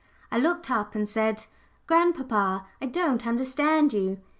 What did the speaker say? I looked up and said, "Grandpapa, I don't understand you."